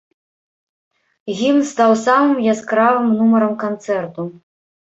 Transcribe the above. Гімн стаў самым яскравым нумарам канцэрту.